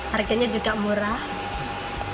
harganya juga murah